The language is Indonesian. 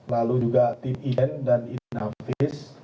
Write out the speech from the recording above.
lalu juga tim in dan inavis